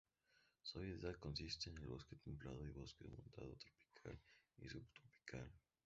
Su hábitat consiste de bosque templado y bosque montano tropical y subtropical.